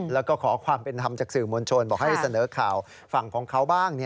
แล้วก็ขอความเป็นธรรมจากสื่อมวลชนบอกให้เสนอข่าวฝั่งของเขาบ้าง